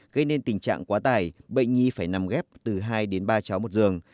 gây nên tình trạng quá tải bệnh nhi phải nằm ghép từ hai đến ba cháu một giường